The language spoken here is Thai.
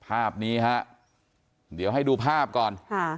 ภาพนี้ฮะเดี๋ยวให้ดูภาพก่อน